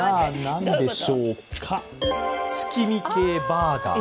何でしょうか月見系バーガー。